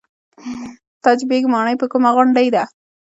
تاج بیګ ماڼۍ په کومه غونډۍ ده؟